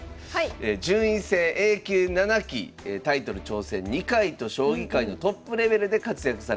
順位戦Ａ級７期タイトル挑戦２回と将棋界のトップレベルで活躍されました。